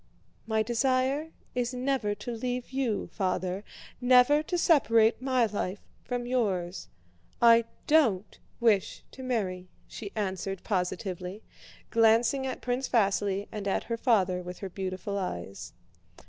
"My desire is never to leave you, Father, never to separate my life from yours. I don't wish to marry," she answered positively, glancing at Prince Vasíli and at her father with her beautiful eyes.